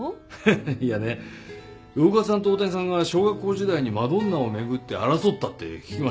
ハハッいやね魚勝さんと大谷さんが小学校時代にマドンナを巡って争ったって聞きましてね。